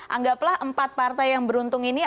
anggaplah empat partai yang beruntung ini